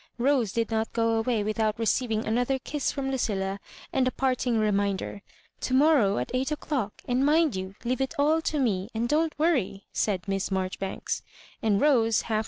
Rose did not go away without receiving another kiss firom Lucilla, and a part ing reminder. "To morrow at eight o'clock; and mind you leave it all to me, and don't worry," said Miss Marjoribanks ; and Rose, half